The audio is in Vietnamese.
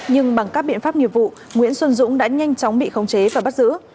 nhưng bằng các biện pháp nghiệp vụ nguyễn xuân dũng đã nhanh chóng bị khống chế và bắt giữ